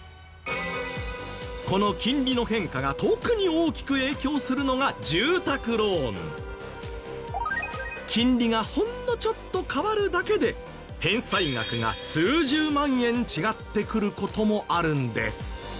この金利の変化が特に大きく影響するのが金利がほんのちょっと変わるだけで返済額が数十万円違ってくる事もあるんです。